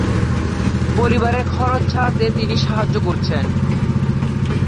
পরিবারের খরচ চালাতে তিনি সাহায্যে করছেন।